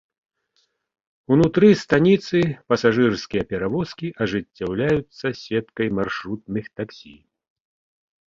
Унутры станіцы пасажырскія перавозкі ажыццяўляюцца сеткай маршрутных таксі.